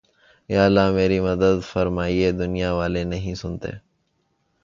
یا اللہ میری مدد فرمایہ دنیا والے نہیں سنتے